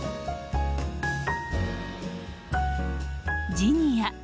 ジニア。